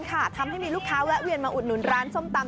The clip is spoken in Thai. ทำให้มีลูกค้าแวะเวียนมาอุดหนุนร้านส้มตำ